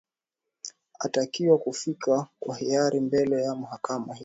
atakiwa kufika kwa hiari mbele ya mahakama hiyo